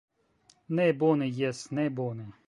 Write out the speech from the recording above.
Ne bone, jes, ne bone.